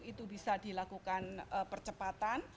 itu bisa dilakukan percepatan